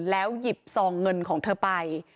แล้วหยิบซองเงินของเธอไป